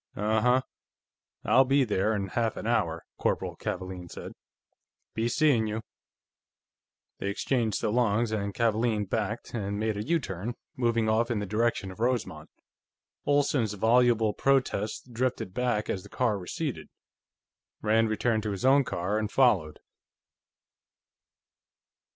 "Uh huh; I'll be there, in half an hour," Corporal Kavaalen said. "Be seeing you." They exchanged so longs, and Kavaalen backed, and made a U turn, moving off in the direction of Rosemont. Olsen's voluble protests drifted back as the car receded. Rand returned to his own car and followed.